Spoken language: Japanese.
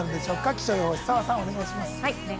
気象予報士・澤さん、お願いします。